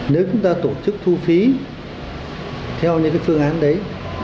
nếu chúng ta tổ chức thu phí theo những phương án đấy